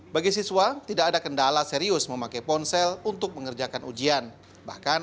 bagi siswa tidak ada kendala serius memakai ponsel untuk mengenalpukannya